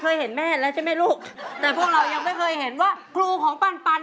รถแม่รถอยู่ทำการแสดงงามใดพากันเต้นหมดบ้าน